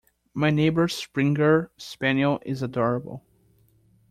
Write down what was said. My neighbour’s springer spaniel is adorable